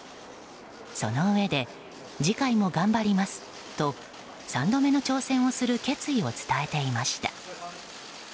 そのうえで次回も頑張りますと３度目の挑戦をする決意を伝えていました。